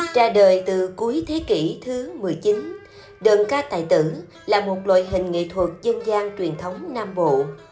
ra đời từ cuối thế kỷ thứ một mươi chín đơn ca tài tử là một loại hình nghệ thuật dân gian truyền thống nam bộ